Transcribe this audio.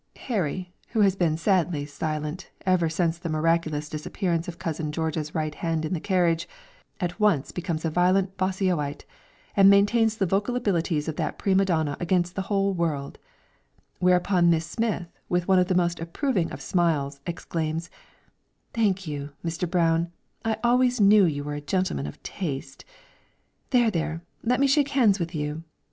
Harry, who has been sadly silent ever since the miraculous disappearance of Cousin George's right hand in the carriage, at once becomes a violent Bosioite, and maintains the vocal abilities of that prima donna against the whole world; whereupon Miss Smith with one of the most approving of smiles, exclaims, "Thank you, Mr. Brown; I always knew you were a gentleman of taste. There, there, let me shake hands with you."